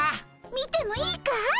見てもいいかい？